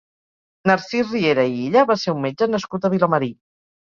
Narcís Riera i Illa va ser un metge nascut a Vilamarí.